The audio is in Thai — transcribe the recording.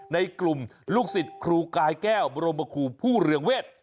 ในกลุ่มลูกสิทธิ์ครูกายแก้วบรมคู่ผู้เรียงเวช